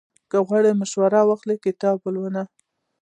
که غواړې مشوره واخلې، کتاب ولوله.